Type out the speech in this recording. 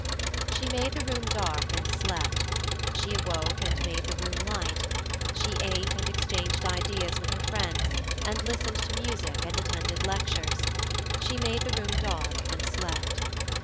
She made the room dark and slept; she awoke and made the room light; she ate and exchanged ideas with her friends, and listened to music and attended lectures; she make the room dark and slept.